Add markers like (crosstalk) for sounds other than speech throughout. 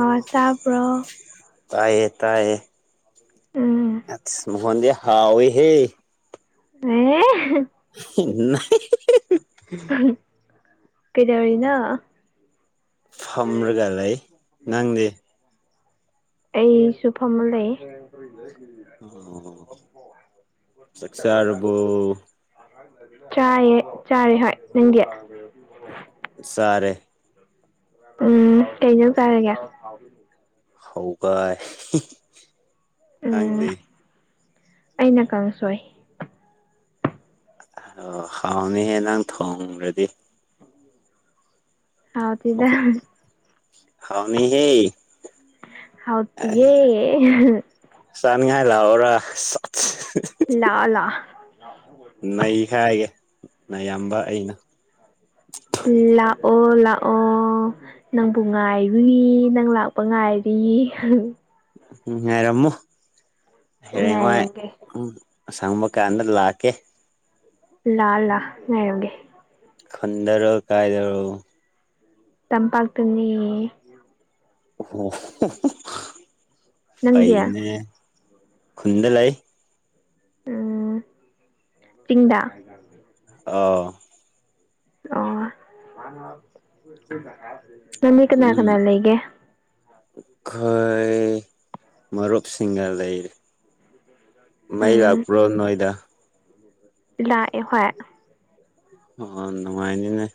ꯑ ꯇꯥꯄ ꯇꯥꯏꯌꯦ ꯇꯥꯏꯌꯦ ꯎꯝ ꯑ ꯃ ꯍꯣꯟꯗ ꯍꯥꯎꯑꯣ ꯍꯦ ꯑꯦ ꯏꯟꯅ ꯀꯩꯗꯧꯔꯤꯅꯣ ꯐꯝꯕ꯭ꯔꯒꯂ ꯅꯪꯗꯦ ꯑꯩ ꯁꯨꯐ ꯑꯃ ꯂꯩ ꯑꯣ ꯆꯁꯔꯕꯨ ꯆꯥꯏꯌꯦ ꯆꯥꯔꯦ ꯍꯣꯏ ꯅꯪꯒꯤ ꯆꯥꯔꯦ ꯎꯝ ꯀꯩꯖꯧ ꯆꯔꯒ ꯍ ꯀ ꯎꯝ ꯅꯪꯂꯤ ꯑꯩꯅ ꯀꯥꯡꯪꯁꯣꯏ ꯑꯣ ꯍꯥꯎꯅꯤꯍꯦ ꯅꯪ ꯊꯣꯡꯈ꯭ꯔꯗꯤ ꯍꯥꯎꯗꯗꯦ ꯍꯥꯎ ꯃꯤ ꯍꯦ ꯍꯥꯎꯗꯤ ꯌꯦꯦ ꯆꯥꯟꯒꯥꯏꯂ ꯑꯣ꯭ꯔ ꯂꯥꯛꯑꯣ ꯂꯥꯛꯑꯣ ꯅ ꯈꯥꯏꯒꯦ ꯑꯌꯥꯝꯕ ꯑꯩꯅ ꯑꯣ ꯂꯥꯛꯑꯣ ꯅꯪꯕꯨ ꯉꯥꯏꯔꯨꯏ ꯅꯪ ꯂꯥꯛꯄ ꯉꯥꯏꯔꯤ ꯎꯝ ꯉꯥꯏꯔꯝꯃꯣ ꯍꯌꯦꯡ ꯋꯥꯥꯏ ꯉꯥꯏꯔꯝꯒꯦ ꯎꯝ ꯑꯁꯪꯕ ꯀꯥꯟꯗ ꯂꯥꯛꯀꯦ ꯂ ꯂꯥ ꯉꯧꯒꯦ ꯈꯟꯗꯔꯣ ꯀꯥꯏꯗꯔꯣ ꯇꯝꯄꯥꯛꯇꯅꯤꯅꯤ ꯑꯣ ꯅꯪꯗꯤ ꯐꯅꯦ ꯈꯨꯟꯗ ꯂꯩ ꯎꯝ ꯆꯤꯗꯥ ꯑ ꯑꯣ ꯃꯃꯤ ꯀꯅꯥ ꯀꯅꯥ ꯎꯝ ꯂꯩ ꯂꯩꯒꯦ ꯃꯔꯨꯞ ꯁꯤꯡꯒꯥꯗꯩ ꯃꯩꯔ ꯄꯨ꯭ꯔꯣ ꯅꯣꯏꯗ ꯂꯥꯛꯑ ꯍꯣꯏ ꯑꯣ ꯅꯨꯡꯉꯥꯏꯅꯤꯅꯦ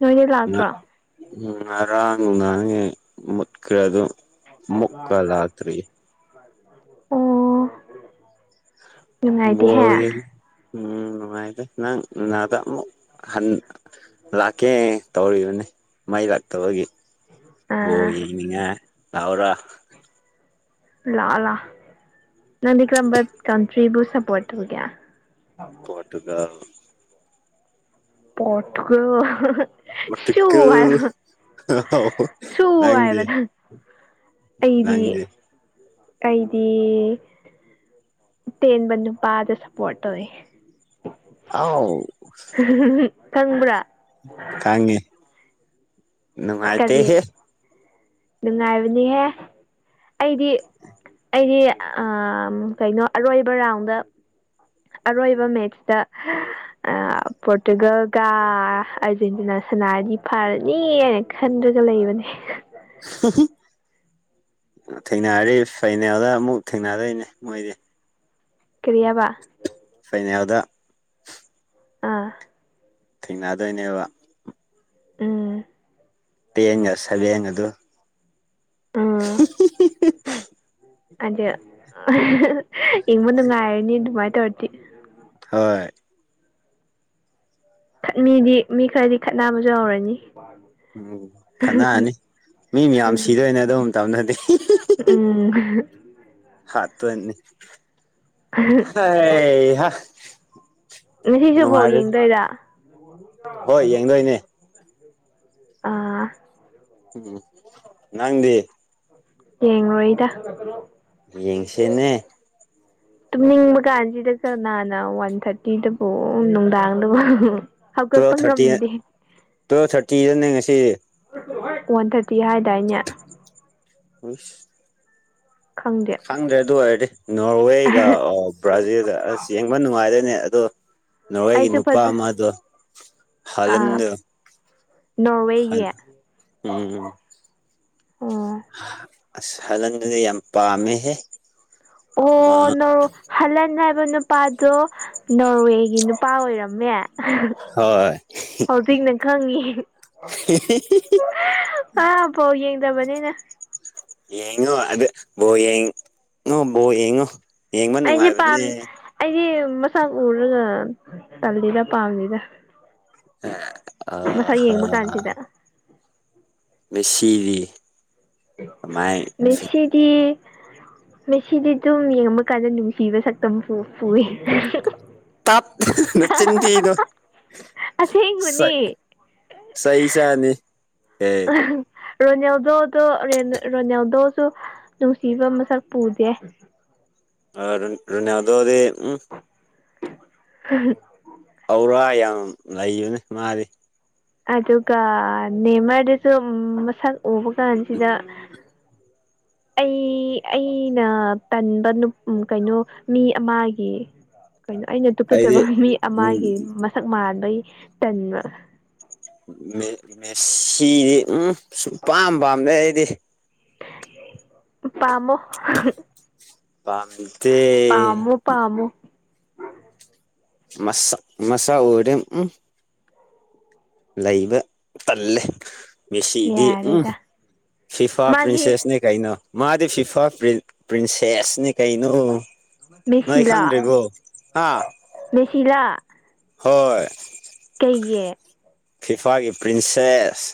ꯅꯣꯏꯅꯦ ꯂꯥꯛꯇ꯭ꯔꯣ ꯎꯝ ꯉꯔꯥꯡ ꯅꯨꯡ ꯉꯥꯡꯉꯦ ꯃꯨꯠꯈ꯭ꯔꯦ ꯑꯗꯨꯣ ꯃꯨꯀ ꯂꯥꯇ꯭ꯔꯤ ꯑꯣ ꯅꯨꯡꯉꯥꯏꯇꯦꯍꯦ ꯕꯣꯜ ꯌꯦꯡ ꯎꯝ ꯅꯨꯡꯉꯥꯏꯗꯦ ꯅꯪ ꯅꯥꯗ ꯑꯃꯨꯛ ꯍ ꯂꯥꯛꯀꯦ ꯇꯧꯔꯤꯕꯅꯤ ꯃꯩ ꯂꯥꯛꯇꯕꯒꯤ ꯑꯣꯕ ꯑꯥ ꯌꯦꯡꯅꯤꯡꯉꯦ ꯂꯥꯛꯑꯣꯔ ꯂꯥꯛꯑꯣ ꯂꯥꯛ ꯅꯪꯗꯤ ꯀꯔꯝꯕ ꯀꯟꯇ꯭ꯔꯤꯕꯨ ꯁꯞꯄꯣꯔꯠ ꯇꯧꯒꯦ ꯄꯣꯇꯨꯒꯜ ꯄꯣꯠꯀ ꯁꯨ ꯍꯥꯏ ꯄꯣꯔꯇꯨꯒꯜ ꯁꯨ ꯍꯥꯏ ꯅꯪꯗꯤ ꯃꯗꯥ ꯑꯩꯗꯤ ꯅꯪꯗꯤ ꯑꯩꯗꯤ ꯇꯅ ꯃꯅ ꯅꯨ ꯄꯥꯗ ꯁꯄꯣꯔꯠ ꯑꯣꯏꯋꯏ ꯑꯥꯎ ꯈꯪꯕ꯭ꯔꯥ ꯈꯪꯉꯦ ꯀꯔꯤ ꯅꯨꯡꯉꯥꯏꯇꯦꯍꯦ ꯅꯨꯡꯉꯥꯏꯕꯅꯤꯍꯦ ꯑꯩꯗꯤ ꯑꯩꯗꯤ ꯀꯩꯅꯣ ꯑꯔꯣꯏꯕ ꯔꯥꯎꯟꯗ ꯑꯔꯣꯏꯕ ꯃꯦꯠꯁꯇ ꯄꯣꯔꯇꯨꯒꯜꯒ ꯑꯥꯔꯖꯦꯟꯇꯤꯅꯥ ꯁꯅꯥꯔꯗꯤ ꯐꯔꯅꯤ ꯍꯥꯏꯅ ꯈꯟꯗ꯭ꯔꯒ ꯂꯩꯕꯅꯦ (inaudible) ꯊꯦꯡꯅꯔꯤ ꯐꯩꯅꯦꯜꯗ ꯑꯃꯨꯛ ꯊꯦꯡꯅꯗꯣꯏꯅꯦ ꯃꯣꯏꯗꯤ ꯀ꯭ꯔꯤꯌꯥꯕ ꯁꯥꯏꯅꯦꯦꯜꯗ ꯑꯥ ꯊꯦꯡꯅꯗꯣꯏꯅꯦꯕ ꯑ ꯄꯉꯁꯕꯡ ꯑꯗꯨ (inaudible) ꯑꯗ ꯌꯦꯡꯕ ꯅꯨꯡꯉꯥꯏꯔꯅꯤ ꯑꯗꯨꯃꯥꯏꯅ ꯇꯧꯔꯗꯤ ꯍꯣꯏ ꯈꯠ ꯃꯤꯗꯤ ꯃꯤ ꯈꯔꯗꯤ ꯈꯠꯕꯁꯨ ꯌꯥꯔꯅꯤ ꯎꯝ ꯈꯟꯅꯅꯔꯅꯤ ꯃꯤ ꯃꯌꯥꯝ ꯎꯝ ꯁꯤꯗꯣꯏ ꯑꯣꯏꯅ ꯑꯗꯨꯝ ꯇꯧꯅꯗꯤꯦ ꯎꯝ ꯍꯥ ꯇꯅꯤ ꯍ ꯍꯥ ꯉ ꯁꯤꯁꯨꯕꯥꯎ ꯌꯦꯡꯗꯣꯏꯔ ꯍꯣꯏ ꯌꯦꯡꯗꯣꯏꯅꯦ ꯑ ꯎꯝ ꯅꯪꯗꯤ ꯌꯦꯉ ꯑꯣꯏꯣꯏꯗ ꯌꯦꯡꯁꯤꯦꯅꯦ ꯇꯨꯝꯅꯤꯡꯕ ꯀꯥꯟꯁꯤꯗ ꯀꯔꯅꯥꯅ ꯋꯥꯟ ꯊꯥꯔꯇꯤꯗꯕꯨ ꯅꯨꯡꯗꯥꯡꯗꯕꯨ ꯍꯧꯒꯠꯄ ꯇꯨꯋꯦꯜꯞ ꯊꯥꯔꯇꯤ ꯉꯝꯗꯦ ꯇꯨꯋꯦꯜꯞ ꯊꯥꯔꯇꯤꯗꯅꯦ ꯉꯁꯤ ꯋꯥꯟ ꯊꯥꯔꯇꯤ ꯍꯥꯏꯗꯥꯏꯅꯦ ꯍ ꯈꯪꯗꯦ ꯈꯪꯗ꯭ꯔꯦ ꯑꯗꯨ ꯑꯣꯏꯔꯗꯤ ꯅꯣꯔꯋꯦꯒ ꯑꯣ ꯕ꯭ꯔꯥꯖꯤꯜꯒ ꯑꯁ ꯌꯦꯡꯕ ꯅꯨꯡꯉꯥꯏꯗꯣꯏꯅꯦ ꯑꯗꯣ ꯅꯣꯔꯣꯏꯒꯤ ꯑꯩꯁꯨ ꯅꯨꯄꯥ ꯐꯖ ꯑꯃꯗꯣ ꯍꯥꯍꯟꯗꯣ ꯅꯧꯋꯥꯒꯤꯦ ꯎꯝ ꯑꯁ ꯍꯜꯂꯟꯗꯨꯗꯤ ꯌꯥꯝ ꯄꯥꯝꯃꯦꯍꯦ ꯃꯥ ꯑꯣ ꯅ ꯍꯜꯂꯅ ꯍꯥꯏ ꯅꯨꯄꯥꯗꯣ ꯅꯣꯔꯋꯦꯒꯤ ꯅꯨꯄꯥ ꯑꯣꯏꯔꯝꯃꯦ ꯍꯣꯏ ꯍꯧꯖꯤꯛ ꯅꯪ ꯈꯪꯉꯤ ꯑꯥ ꯐꯥꯎ ꯌꯦꯡꯗꯕꯅꯤꯅ ꯌꯦꯉꯣ ꯑꯗ ꯌꯦꯉ ꯣ ꯌꯦꯉꯣ ꯑꯩꯗꯤ ꯄꯥꯝ ꯑꯩꯗꯤ ꯃꯁꯥꯛ ꯎꯔꯒ ꯇꯜꯂꯤꯔ ꯄꯥꯝꯅꯤꯗ ꯑꯥ ꯃꯁꯥ ꯍꯥ ꯌꯦꯡꯕ ꯀꯥꯟꯁꯤꯗ ꯃꯦꯁꯤꯔꯤ ꯃꯁꯤꯗꯤꯦ ꯃꯁꯤꯗꯤ ꯑꯗꯨꯝ ꯌꯦꯡꯕ ꯀꯥꯟꯗ ꯅꯨꯡꯁꯤꯕ ꯁꯛꯇꯝ ꯄꯨꯏ ꯅ ꯆꯗꯤꯅꯣ ꯑꯁꯦꯡꯕꯅꯦ ꯁꯍꯤ ꯆꯅꯤ ꯑ ꯔꯣꯅꯦꯜꯗꯣꯗꯣ ꯔꯣꯅꯦꯜꯗꯣꯁꯨ ꯅꯨꯡꯁꯤꯕ ꯃꯁꯛ ꯄꯨꯗꯦ ꯑ ꯑꯗꯨꯅꯗꯣ ꯑꯗꯤ ꯎꯝ ꯎ ꯍꯧꯔ ꯌꯥꯝ ꯂꯩꯕꯅꯦ ꯃꯥꯗꯤ ꯑꯗꯨꯒ ꯅꯦꯃꯔꯗꯁꯨ ꯃꯁꯛ ꯎꯕ ꯀꯥꯟꯁꯤꯗ (inaudible) ꯑꯩ ꯑꯩꯅ ꯇꯟꯕ ꯀꯩꯅꯣ ꯃꯤ ꯑꯃꯒꯤ ꯀꯩꯅꯣ ꯑꯩꯅ ꯑꯩꯗꯤ ꯇꯨꯀꯠꯆꯕ ꯃꯤ ꯎꯝ ꯑꯃꯒꯤ ꯃꯁꯛ ꯃꯥꯟꯕꯩ ꯇꯟꯕ ꯃꯦꯁꯤꯗꯤ ꯎꯝ ꯁꯨꯝ ꯄꯥꯝ ꯄꯥꯝꯗ ꯑꯩꯗꯤ ꯄꯃ ꯄꯥꯝꯗꯦ ꯄꯥꯝꯣ ꯄꯥꯝꯃꯨ ꯃꯁꯥ ꯃꯁꯥ ꯑꯣꯏꯔ ꯎꯝ ꯂꯩꯕ ꯇꯜꯂꯦ ꯃꯦꯁꯤꯗꯤ ꯎꯝ ꯌꯥꯔꯦꯗ ꯐꯤꯐꯥ ꯃꯥꯒꯤ ꯄ꯭ꯔꯤꯟꯁꯦꯁꯅꯦ ꯀꯩꯅꯣ ꯃꯥꯗꯤ ꯐꯤꯐꯥ ꯄ꯭ꯔꯤꯟꯁꯦꯁꯅꯤ ꯀꯩꯅꯣ ꯅꯣꯏ ꯃꯦꯁꯤꯂꯥ ꯈꯪꯗ꯭ꯔꯤꯔꯤꯕꯣ ꯍꯥ ꯄ ꯁꯤꯂ ꯍꯣꯏ ꯐꯤꯐꯥꯒꯤ ꯄ꯭ꯔꯤꯟꯁꯦꯁ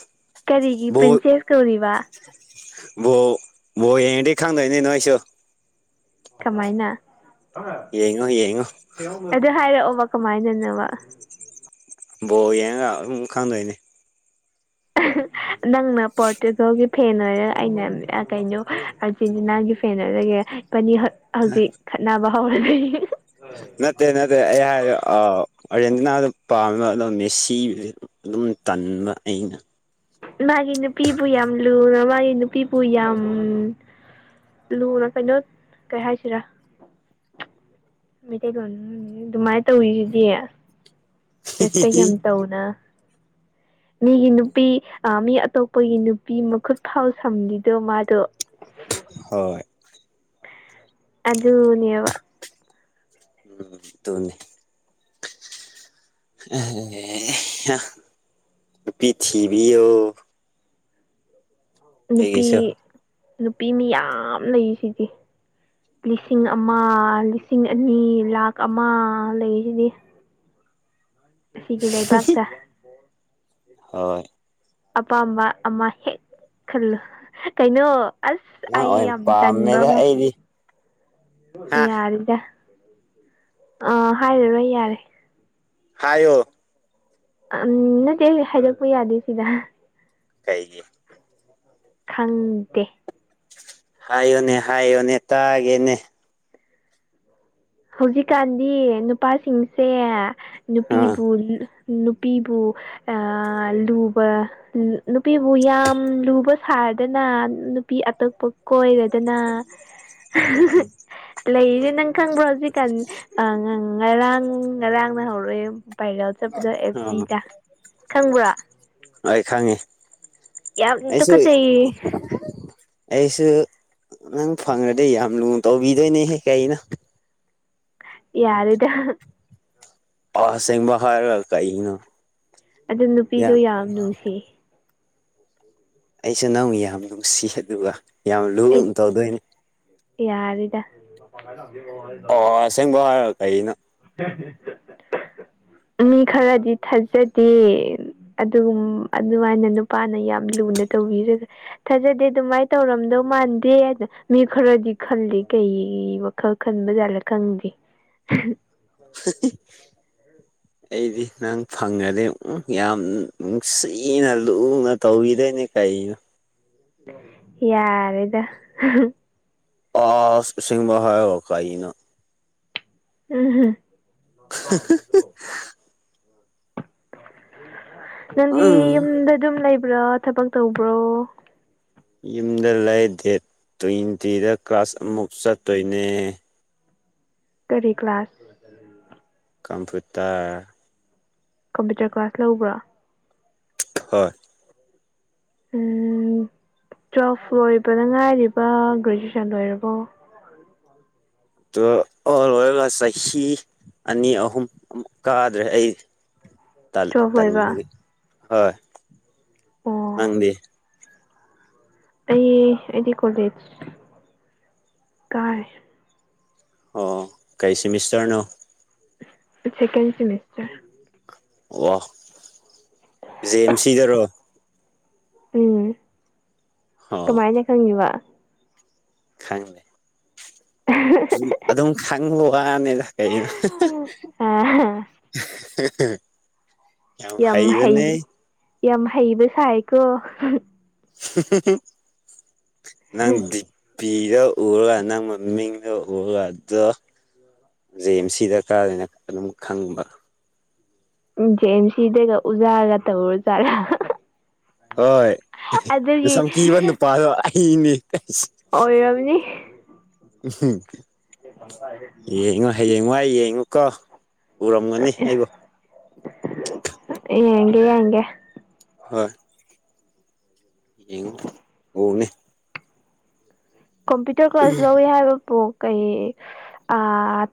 ꯀꯔꯤꯒꯤ ꯄ꯭ꯔꯤꯟꯁꯦꯁ ꯀꯧꯔꯤꯕ ꯕꯣ ꯑꯦꯗꯤ ꯈꯪꯗꯣꯏꯅꯦ ꯅꯣꯏꯁꯨ ꯀꯃꯥꯏꯅ ꯌꯦꯡꯉꯣ ꯌꯦꯡꯉꯣ ꯑꯗꯨ ꯍꯥꯏꯔꯛꯑꯣ ꯃꯥꯏꯅꯅ ꯋꯥ ꯕꯣ ꯌꯦꯡꯒ ꯑꯗꯨꯝ ꯈꯪꯗꯣꯏꯅꯦ ꯅꯪꯅ ꯄꯣꯔꯇꯨꯒꯜꯒꯤ ꯐꯦꯟ ꯑꯣꯏꯔꯒ ꯑꯩꯅ ꯀꯩꯅꯣ ꯑꯥꯔꯖꯦꯟꯇꯤꯅꯥꯒꯤ ꯀꯅꯔꯒꯦ ꯏꯄꯥꯅꯤ ꯍꯧꯖꯤꯛ ꯈꯠꯅꯕ ꯍꯧꯔꯒꯅꯤ ꯅꯠꯇꯦ ꯅꯠꯇ ꯑꯩꯍ ꯑ ꯑꯥꯔꯖꯦꯟꯇꯤꯅꯥꯗ ꯄꯥꯝꯕ ꯑꯣ ꯃꯦꯁꯤ ꯑꯗꯨꯝ ꯇꯟꯕ ꯑꯩꯅ ꯃꯥꯒꯤ ꯅꯨꯄꯤꯕꯨ ꯌꯥꯝ ꯂꯨꯅ ꯃꯥꯒꯤ ꯅꯨꯄꯤꯕꯨ ꯌꯥꯝ ꯂꯨꯅ ꯀꯩꯅꯣ ꯀꯩ ꯍꯥꯏꯁꯤꯔꯥ ꯃꯩꯇꯩꯂꯣꯟ ꯑꯗꯨꯃꯥꯏꯅ ꯇꯧꯔꯤꯁꯤꯗꯤ ꯐꯁꯒꯤ ꯑ ꯇꯧꯅ (inaudible) ꯃꯤꯒꯤ ꯅꯨꯄꯤ ꯃꯤ ꯑꯇꯣꯞꯄꯒꯤ ꯅꯨꯄꯤ ꯃꯈꯨꯠ ꯐꯥꯎ ꯁꯝꯈꯤꯗꯣ ꯃꯥꯗꯣ ꯍꯣꯏ ꯑ ꯑꯗꯨꯅꯦꯕ ꯎꯝ ꯇꯣꯅꯤ ꯑꯦ ꯄꯤꯊꯤꯕꯤ ꯑꯣ ꯅꯨꯄꯤ ꯅꯨꯄꯤ ꯃꯤ ꯌꯥꯝ ꯂꯩ ꯁꯤꯗꯤ ꯂꯤꯁꯤꯡ ꯑꯃ ꯂꯤꯁꯤꯡ ꯑꯅꯤ ꯂꯈ ꯑꯃ ꯂꯩꯁꯤꯗꯤ ꯁꯤꯒꯤ ꯂꯩꯕꯥꯛꯇ ꯍꯣꯏ ꯑꯄꯥꯝꯕ ꯑꯃ ꯍꯦꯛ ꯈꯜꯂꯨ ꯀꯩꯅꯣ ꯑꯁ ꯅꯪ ꯑꯩ ꯑꯣꯏꯅ ꯌꯥꯝ ꯇꯟꯕ ꯄꯥꯝꯃꯦꯗ ꯑꯃ ꯑꯩꯗꯤ ꯍꯥ ꯌꯥꯔꯤꯗ ꯑꯥ ꯍꯥꯏꯔꯔꯣꯏ ꯌꯥꯔꯦ ꯍꯥꯏꯣ ꯎꯝ ꯅꯠꯇꯦ ꯍꯥꯏꯗꯣꯛꯄ ꯌꯥꯗꯦ ꯁꯤꯗ ꯀꯩꯒꯤ ꯈꯪꯗꯦ ꯍꯥꯏꯌꯣꯅꯦ ꯍꯥꯏꯌꯣꯅꯦ ꯇꯥꯒꯦꯅꯦ ꯍꯧꯖꯤꯛꯀꯥꯟꯗꯤ ꯅꯨꯄꯥꯁꯤꯡꯁꯦ ꯑꯥ ꯅꯨꯄꯤꯕꯨ ꯅꯨꯄꯤꯕꯨ ꯂꯨꯕ ꯅꯨꯄꯤꯕꯨ ꯌꯥꯝ ꯂꯨꯕ ꯁꯥꯔ ꯗꯅ ꯅꯨꯄꯤ ꯑꯇꯣꯞꯄ ꯀꯣꯏꯔꯗꯅ ꯂꯩꯔꯤꯁꯦ ꯅꯪ ꯈꯪꯕ꯭ꯔꯣ ꯍꯧꯖꯤ ꯀꯥꯟ ꯉꯔꯥꯡ ꯉꯔꯥꯡꯅ ꯍꯧꯔꯛꯑꯦ ꯥꯏꯔꯦꯜ ꯆꯠꯄꯗꯣ ꯑꯦꯜ ꯎꯝ ꯄꯤꯗ ꯈꯪꯕ꯭ꯔ ꯑꯩꯈꯣꯏ ꯈꯪꯉꯤ ꯌꯥꯝ ꯇꯨ ꯀ ꯆꯌꯦ ꯑꯩꯁꯨ ꯅꯪ ꯐꯪꯉꯗꯤ ꯌꯥꯝ ꯂꯨ ꯇꯧꯕꯤꯗꯣꯏꯅꯦꯍꯦ ꯀꯩꯅꯣ ꯌꯥꯔꯗ ꯑꯁꯕ ꯍꯥꯔ ꯂꯔꯀꯏꯅ ꯑꯗꯨ ꯅꯨꯄꯤꯗꯣ ꯌꯥꯝ ꯅꯨꯡꯁꯤ ꯑꯩꯁꯨ ꯅꯪ ꯌꯥꯝ ꯅꯨꯡꯁꯤ ꯑꯗꯨꯒ ꯌꯥꯝ ꯑꯩ ꯂꯨꯅꯥ ꯇꯧꯗꯣꯏꯅꯤ ꯌꯥꯔꯦꯗ ꯑꯩꯅ ꯃꯤ ꯈꯔꯗꯤ ꯊꯥꯖꯗꯦ ꯑꯗꯨꯒꯨꯝ ꯑꯗꯨꯃꯥꯏꯅ ꯅꯨꯄꯥꯅ ꯌꯥꯝ ꯂꯨꯅ ꯇꯧꯕꯤꯔꯒ ꯊꯥꯖꯗꯦ ꯑꯗꯨꯃꯥꯏꯅ ꯇꯧꯔꯝꯗꯧ ꯃꯥꯟꯗꯦ ꯑꯗ ꯃꯤ ꯈꯔꯗꯤ ꯈꯜꯂꯤ ꯀꯩ ꯋꯥꯈꯜ ꯈꯟꯕ ꯖꯥꯠꯂ ꯈꯪꯗꯦ (inaudible) ꯑꯩꯗꯤ ꯅꯪ ꯐꯪꯉꯗꯤ ꯌꯥꯝ ꯅꯨꯡꯁꯤꯅ ꯂꯨꯅ ꯇꯧꯕꯤꯗꯣꯏꯅꯦ ꯀ ꯇꯅ (unintelligible) ꯌꯥꯔꯦꯗ ꯑꯁ ꯑꯁꯦꯡꯕ ꯍꯥꯏꯔꯒ ꯀꯩꯅꯣ (unintelligible) ꯅꯪꯗꯤ ꯎꯝ ꯌꯨꯝꯗ ꯑꯗꯨꯝ ꯂꯩ ꯄꯨꯔꯥ ꯊꯕꯛ ꯇꯧꯕ꯭ꯔꯣ ꯌꯨꯝꯗ ꯂꯩ ꯗꯦꯠ ꯇ꯭ꯋꯦꯟꯇꯤꯗ ꯀ꯭ꯂꯥꯁ ꯑꯃꯨꯛ ꯆꯠꯇꯣꯏꯅꯦ ꯀꯔꯤ ꯀ꯭ꯂꯥꯁ ꯀꯝꯄꯌꯨꯇꯔ ꯀꯝꯄ꯭ꯌꯨꯇꯔ ꯀ꯭ꯂꯥꯁ ꯂꯧꯕ꯭ꯔꯥ ꯍꯣꯏ ꯎꯝ ꯇ꯭ꯋꯦꯜꯐ ꯂꯣꯏꯕꯗ ꯉꯥꯏꯔꯤꯕ ꯒ꯭ꯔꯦꯖꯨꯑꯦꯁꯟ ꯂꯣꯏꯔꯕꯣ ꯇ (unintelligible) ꯂꯣꯏꯔꯒ ꯆꯍꯤ ꯑꯅꯤ ꯑꯍꯨꯝꯛ ꯀꯥꯗ꯭ꯔꯦ ꯑꯩ ꯇꯨꯋꯦꯜꯐ ꯂꯣꯏꯕ ꯇꯟ-ꯇꯟꯕꯒꯤ ꯍꯣꯏ ꯑꯣ ꯅꯪꯗꯤ ꯑꯩ ꯑꯩꯗꯤ ꯀꯣꯂꯦꯖ ꯀꯥꯏ ꯑꯣ ꯀꯔꯤ ꯁꯤꯃꯤꯁꯇꯔꯅꯣ ꯁꯦꯀꯦꯟ ꯁꯤꯃꯤꯁꯇꯔ ꯋꯥ ꯖꯦꯝ ꯁꯤꯗꯔꯣ ꯎꯝ ꯀꯃꯥꯏꯅ ꯈꯪꯏꯕ ꯈꯪꯪꯂꯦ ꯑꯗꯨꯝ ꯈꯪꯕ ꯋꯥꯅꯤꯗ ꯀꯩꯅꯣ ꯑꯥ ꯌꯥꯝ ꯍꯩꯕꯅꯦ ꯌꯥꯝ ꯍꯩꯕ ꯁꯥꯏꯀꯣ ꯅꯪꯗꯤ ꯄꯤꯗ ꯎꯔꯒ ꯅꯪ ꯃꯃꯤꯡꯗ ꯎꯔꯒ ꯑꯗꯣ ꯖ ꯑꯦꯝ ꯁꯤ ꯗꯔꯀꯥꯔꯅ ꯑꯗꯨꯝ ꯈꯪꯕ ꯎ ꯦꯟꯁꯤ ꯏꯗꯒ ꯎꯖꯥꯒ ꯇꯧꯔ ꯇꯔ (unintelligible) ꯍꯣꯏꯁꯨꯝ ꯀꯤꯕ ꯅꯨꯄꯥꯗꯣ ꯑꯩꯅꯤ ꯑꯣꯏꯔꯃꯅꯤ ꯎ ꯌꯦꯡꯉꯣ ꯍꯌꯦꯡꯋꯥꯏ ꯌꯦꯡꯉꯨꯀꯣ ꯎꯔꯝꯒꯅꯤ ꯑꯩꯕꯨ ꯌꯦꯡꯒꯦ ꯌꯦꯡꯒꯦ ꯍꯣꯏ ꯌꯦꯡꯎ ꯎꯕꯅꯦ ꯀꯝꯄ꯭ꯨꯇꯔ ꯀ꯭ꯂꯥꯁ ꯂꯧꯏ ꯍꯥꯏꯕ ꯄꯣ ꯀꯩ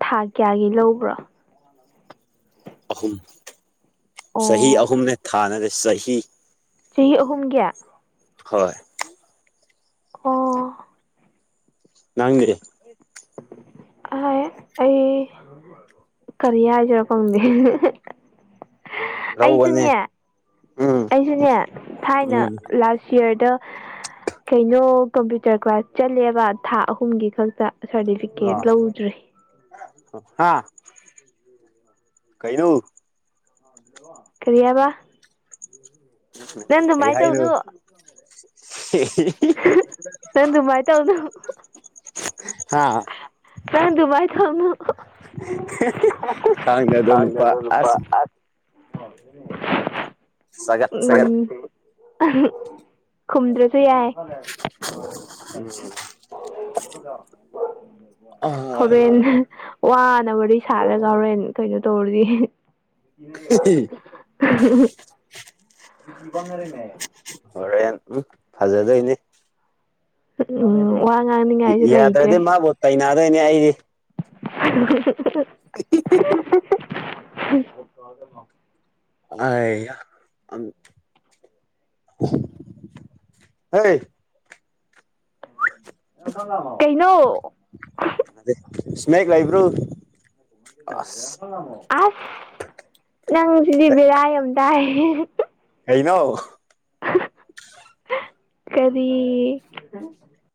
ꯊꯥ ꯀꯌꯥꯒꯤ ꯂꯧꯕ꯭ꯔꯣ ꯑꯍꯨꯝ ꯑꯣ ꯆꯍꯤ ꯑꯍꯨꯝꯅꯦ ꯊꯥꯅ ꯅꯠꯇꯦ ꯆꯍꯤ ꯆꯍꯤ ꯑꯍꯨꯝꯒꯤ ꯍꯣꯏ ꯑꯣ ꯂꯥꯡꯒꯦ ꯑ ꯑꯩ ꯀꯔꯤꯌꯥ ꯍꯥꯏꯖꯔꯛꯄꯪꯗꯦ ꯂꯧꯕꯅꯦ ꯑꯩꯁꯨꯅꯦ ꯎꯝ ꯑꯩꯁꯨꯅꯦ ꯊꯥꯏꯅ ꯎꯝ ꯂꯥꯛꯁꯤ ꯌꯌꯔꯗ ꯀꯩꯅꯣ ꯀꯝꯄ꯭ꯌꯨꯇꯔ ꯀ꯭ꯂꯥꯁ ꯆꯠꯂꯦꯕ ꯊꯥ ꯑꯍꯨꯝꯒꯤ ꯈꯛꯇ ꯁꯥꯔꯇꯤꯐꯤꯀꯦꯠ ꯂꯧꯗ꯭ꯔꯦ ꯍꯥꯥ ꯀꯩꯗ ꯀꯔꯤꯌꯥꯕ ꯎ ꯀꯩ ꯍꯥꯏꯅ ꯅꯃꯥꯏ ꯇꯥꯎꯅꯣ ꯍꯥꯥ ꯀꯥꯟ ꯑꯗꯨꯃꯥꯏ ꯊꯅ ꯈꯪꯗꯦ ꯑꯗꯣ ꯅꯨꯄꯥ ꯗ ꯁꯄꯥ ꯑꯁ ꯆꯒꯠ ꯆꯒꯠ ꯃꯝ ꯈꯨꯝꯗ꯭ꯔꯁꯨ ꯌꯥꯏ ꯎꯝ ꯍꯣꯔꯟ ꯋꯥꯅ ꯋꯥꯔꯤ ꯁꯥꯠꯂꯒ ꯍꯣꯔꯦꯟ ꯀꯩꯅꯣ ꯇꯧꯔꯨꯗꯤ ꯔꯃꯦ ꯍꯣꯔꯦꯟ ꯎ ꯐꯖꯗꯣꯏꯅꯤ ꯎꯝ ꯋꯥ ꯉꯥꯡꯅꯤꯡꯉꯥꯏꯁꯨ ꯂꯩꯇ꯭ꯔꯦ ꯌꯥꯗ꯭ꯔꯗꯤ ꯃꯥꯕꯨ ꯇꯩꯅꯗꯣꯏꯅꯦ ꯑꯩꯗꯤ (unintelligible) ꯑ ꯍ ꯀꯩꯅꯩꯅꯣ ꯁ꯭ꯅꯦꯛ ꯂꯥꯏꯕ꯭ꯔꯣ ꯑꯁ ꯅꯪ ꯁꯤꯗꯤꯕꯤꯔꯏ ꯑꯃꯇꯥꯏ ꯍ ꯑꯩꯩꯅꯣ ꯀꯔꯤ